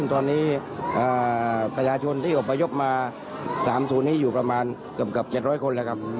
ตอนนี้ประชาชนที่อบประยบมาอยู่ประมาณเกือบกับ๗๐๐คน